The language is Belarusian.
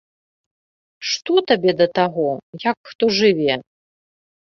Што табе да таго, як хто жыве!